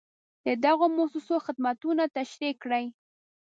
د دغو مؤسسو خدمتونه تشریح کړئ.